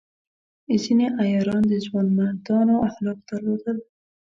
ځینې عیاران د ځوانمردانو اخلاق درلودل.